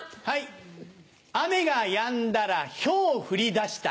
雨がやんだらひょう降りだした。